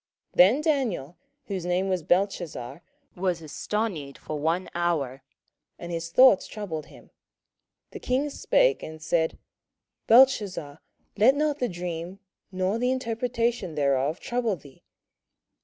27:004:019 Then Daniel, whose name was Belteshazzar, was astonied for one hour, and his thoughts troubled him. The king spake, and said, Belteshazzar, let not the dream, or the interpretation thereof, trouble thee.